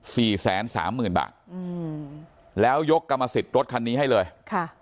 สี่แสนสามหมื่นบาทอืมแล้วยกกรรมสิทธิ์รถคันนี้ให้เลยค่ะ